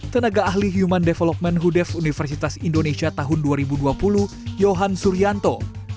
tenaga ahli human development hudef universitas indonesia tahun dua ribu dua puluh johan suryanto